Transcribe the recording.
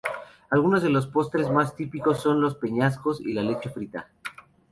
Algunos de los postres más típicos son los peñascos y la leche frita.